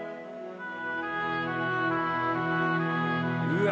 うわ！